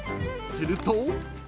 ［すると］